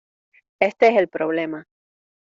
este es el problema.